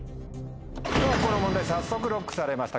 この問題早速ＬＯＣＫされました。